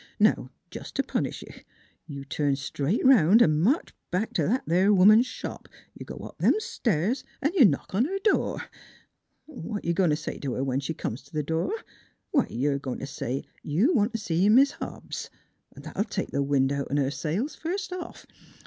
" Now, jest t' punish ye, you turn straight 'round 'n' march back t' that there woman's shop. You go up them stairs, an' you knock on her door. ... What ye goin' t' say t' her when she comes t' th' door? Why, you're goin' to say you want t' see Mis' Hobbs; that'll take th' wind outen her sails, first off.